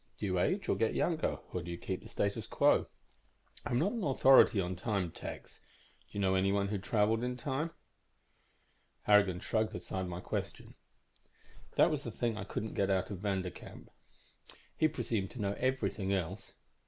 Do you age or get younger, or do you keep the status quo?" "I'm not an authority on time, Tex. Do you know anyone who traveled in time?" Harrigan shrugged aside my question. "That was the thing I couldn't get out of Vanderkamp, either. He presumed to know everything else."